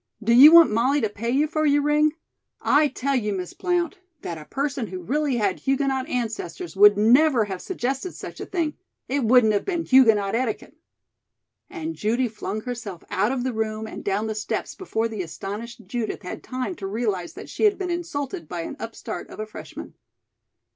Do you want Molly to pay you for your ring? I tell you, Miss Blount, that a person who really had Huguenot ancestors would never have suggested such a thing. It wouldn't have been Huguenot etiquette." And Judy flung herself out of the room and down the steps before the astonished Judith had time to realize that she had been insulted by an upstart of a freshman.